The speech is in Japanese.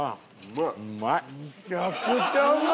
めちゃくちゃうまい！